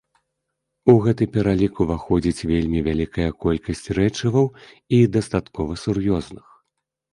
У гэты пералік уваходзіць вельмі вялікая колькасць рэчываў, і дастаткова сур'ёзных.